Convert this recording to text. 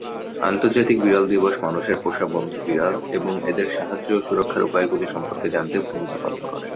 আন্তর্জাতিক বিড়াল দিবস মানুষের পোষা বন্ধু বিড়াল এবং এদের সাহায্য ও সুরক্ষার উপায়গুলি সম্পর্কে জানতে ভূমিকা পালন করে।